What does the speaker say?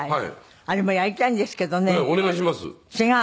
あれもやりたいんですけどね。